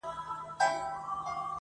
سیاه پوسي ده خاوند یې ورک دی.